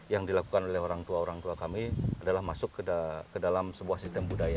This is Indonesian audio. yang dilakukan oleh orang tua orang tua kami adalah masuk ke dalam sebuah sistem budaya